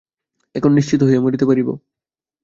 এখন নিশ্চিন্ত হইয়া মরিতে পারিব।